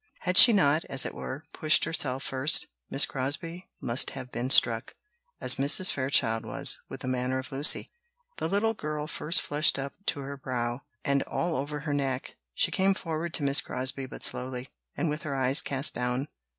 Had she not, as it were, pushed herself first, Miss Crosbie must have been struck, as Mrs. Fairchild was, with the manner of Lucy: the little girl first flushed up to her brow, and all over her neck. She came forward to Miss Crosbie but slowly, and with her eyes cast down.